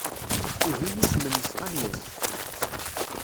Ihi, isem-nnes Agnes.